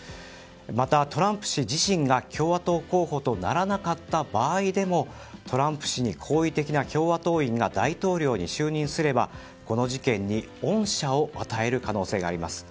また、トランプ氏自身が共和党候補とならなかった場合でもトランプ氏に好意的な共和党員が大統領に就任すればこの事件に恩赦を与える可能性があります。